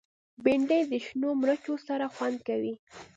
بېنډۍ د شنو مرچو سره خوند کوي